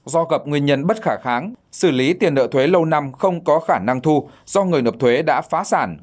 do gặp nguyên nhân bất khả kháng xử lý tiền nợ thuế lâu năm không có khả năng thu do người nộp thuế đã phá sản